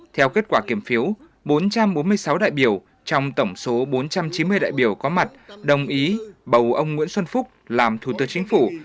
theo kết quả kiểm phiếu bốn trăm bốn mươi sáu đại biểu trong tổng số bốn trăm chín mươi đại biểu có mặt đồng ý bầu ông nguyễn xuân phúc làm thủ tướng chính phủ